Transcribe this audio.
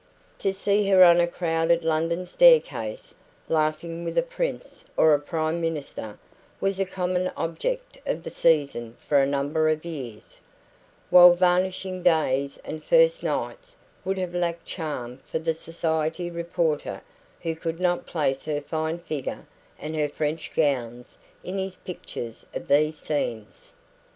To see her on a crowded London staircase, laughing with a prince or a prime minister, was a common object of the season for a number of years; while varnishing days and first nights would have lacked charm for the society reporter who could not place her fine figure and her French gowns in his pictures of these scenes.